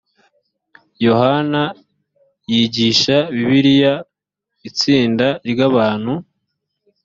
yohana yigisha bibiliya itsinda ry’ abantu